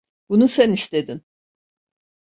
Bunu sen istedin.